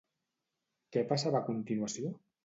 Què passava a continuació?